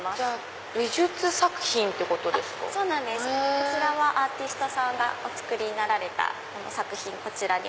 こちらはアーティストさんがお作りになられた作品。